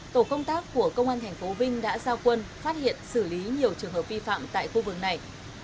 tổ công tác của công an tp vinh đã giao quân phát hiện xử lý nhiều trường hợp vi phạm tại khu vực này